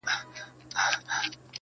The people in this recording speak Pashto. پلار چوپتيا کي عذاب وړي تل-